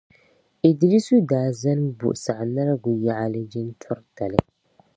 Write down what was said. Iddrisu daa zani m-bo Sagnarigu yaɣili jintɔri tali